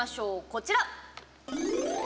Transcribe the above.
こちら。